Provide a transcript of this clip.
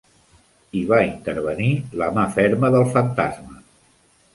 Hi va intervenir la mà ferma del fantasma.